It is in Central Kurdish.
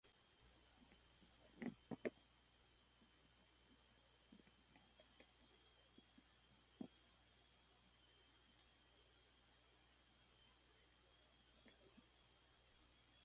کچ ڕۆیشت بۆ ماڵ و لە حەسەن جیا بوومەوە و بەرەو مەقەڕ